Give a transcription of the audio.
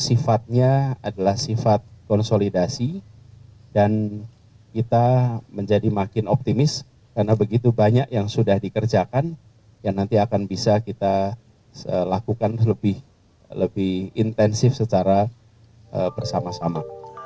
sifatnya adalah sifat konsolidasi dan kita menjadi makin optimis karena begitu banyak yang sudah dikerjakan yang nanti akan bisa kita lakukan lebih intensif secara bersama sama